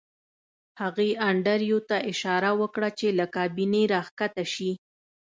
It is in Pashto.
هغې انډریو ته اشاره وکړه چې له کابینې راښکته شي